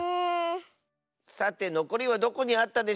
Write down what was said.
さてのこりはどこにあったでしょうか。